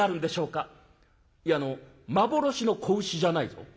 「いやあの幻の子牛じゃないぞ。